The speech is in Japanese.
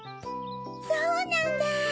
そうなんだぁ！